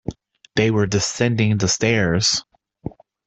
They were descending the stairs.